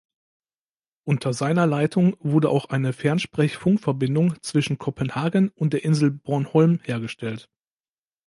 Unter seiner Leitung wurde auch eine Fernsprech-Funkverbindung zwischen Kopenhagen und der Insel Bornholm hergestellt.